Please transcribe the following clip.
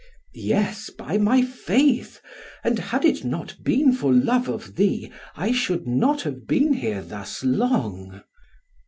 "Yes, by my faith; and had it not been for love of thee, I should not have been here thus long."